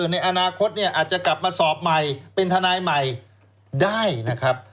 ในอนาคตเนี่ยอาจจะกลับมาสอบใหม่เป็นทนายใหม่ได้นะครับ